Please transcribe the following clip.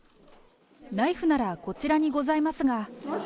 ナイフならこちらにございますが。